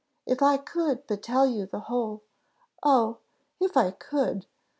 "If I could but tell you the whole oh if I could!